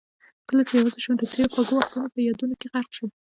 کله چې یوازې شم د تېرو خوږو وختونه په یادونو کې غرق شم.